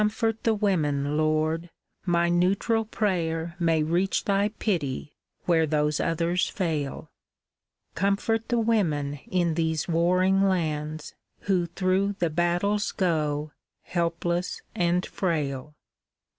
"Comfort the women. Lord, my neutral prayer May reach Thy pity where those others fail; Comfort the women in these warring lands Who through the battles go, helpless and frail.